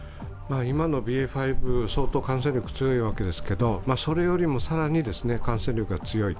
今のＢＡ．５、相当感染力が強いわけですけれども、それよりも更に感染力が強い。